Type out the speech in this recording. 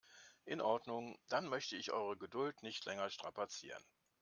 In Ordnung, dann möchte ich eure Geduld nicht länger strapazieren.